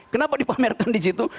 kenapa dipamerkan di situ